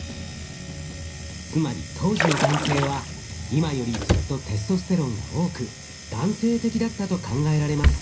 つまり当時の男性は今よりずっとテストステロンが多く男性的だったと考えられます。